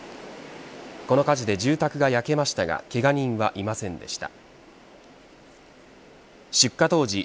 この火事で住宅が焼けましたがけが人はいませんでした。